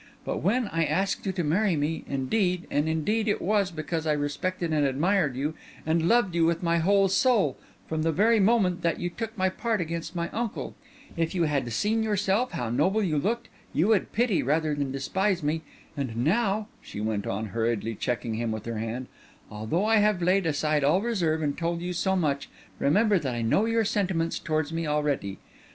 But when I asked you to marry me, indeed, and indeed, it was because I respected and admired you, and loved you with my whole soul, from the very moment that you took my part against my uncle. If you had seen yourself, and how noble you looked, you would pity rather than despise me. And now," she went on, hurriedly checking him with her hand, "although I have laid aside all reserve and told you so much, remember that I know your sentiments towards me already.